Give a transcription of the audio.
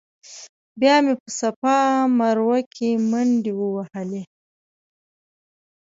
بیا مې په صفا مروه کې منډې ووهلې.